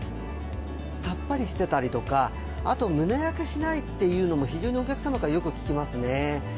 さっぱりしてたりとか、あと胸焼けしないっていうのも、非常にお客様からよく聞きますね。